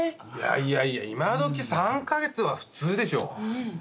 いやいやいや今どき３カ月は普通でしょ。